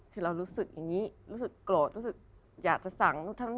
คือเรารู้สึกอย่างนี้รู้สึกโกรธรู้สึกอยากจะสั่ง